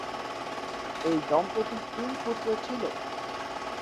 এই দম্পতির তিন পুত্র ছিল।